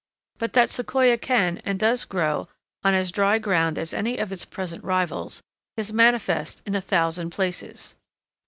But that Sequoia can and does grow on as dry ground as any of its present rivals, is manifest in a thousand places.